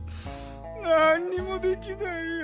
なんにもできないや。